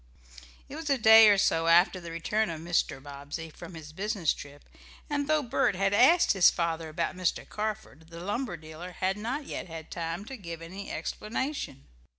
It was a day or so after the return of Mr. Bobbsey from his business trip, and though Bert had asked his father about Mr. Carford, the lumber dealer had not yet had time to give any explanation.